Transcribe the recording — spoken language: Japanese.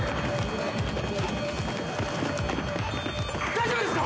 大丈夫ですか？